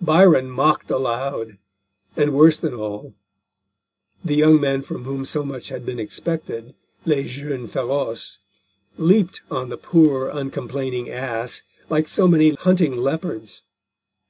Byron mocked aloud, and, worse than all, the young men from whom so much had been expected, les jeunes feroces, leaped on the poor uncomplaining Ass like so many hunting leopards.